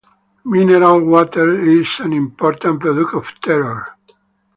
Mineral water is an important product of Teror.